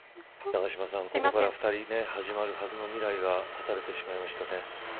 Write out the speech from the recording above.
永島さん、ここから２人始まるはずの未来が断たれてしまいましたね。